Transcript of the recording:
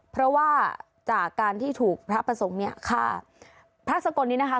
เพราะว่าจากการที่ถูกพระประสงค์เนี่ยฆ่าพระสกลนี้นะคะ